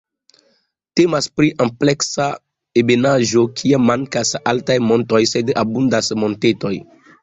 Temas pri ampleksa ebenaĵo kie mankas altaj montoj, sed abundas montetoj.